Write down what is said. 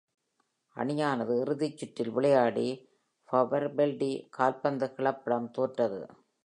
அணியானது இறுதிச் சுற்றில் விளையாடி அபெர்ஃபெல்டி கால்பந்து கிளப்பிடம் தோற்றது.